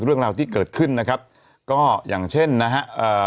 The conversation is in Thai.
เรื่องราวที่เกิดขึ้นนะครับก็อย่างเช่นนะฮะเอ่อ